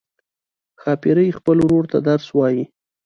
ښاپیرۍ خپل ورور ته درس وايي.